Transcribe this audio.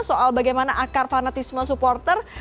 soal bagaimana akar fanatisme supporter